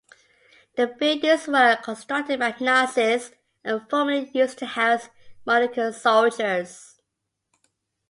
The buildings were constructed by the Nazis and formerly used to house Moluccan soldiers.